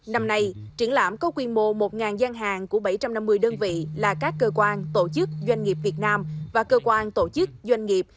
năm nay triển lãm có quy mô một gian hàng của bảy trăm năm mươi đơn vị là các cơ quan tổ chức doanh nghiệp việt nam và cơ quan tổ chức doanh nghiệp